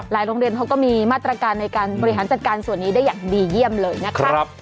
โรงเรียนเขาก็มีมาตรการในการบริหารจัดการส่วนนี้ได้อย่างดีเยี่ยมเลยนะคะ